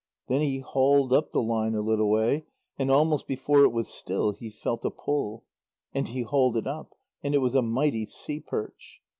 Then he hauled up the line a little way, and almost before it was still, he felt a pull. And he hauled it up, and it was a mighty sea perch.